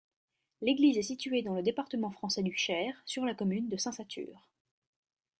L'église est située dans le département français du Cher, sur la commune de Saint-Satur.